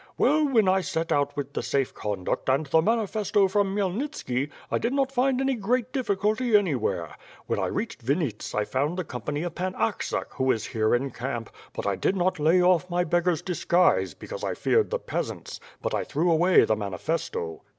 Well, when I set out with the safe conduct and the manifesto from Khmyel nitski, I did not find any great difficulty anywhere. When I reached Vinnits I found the company of Pan Aksak who is here in camp, but I did not lay off my beggar's disguise, because I feared the peasants; but I threw away the mani festo."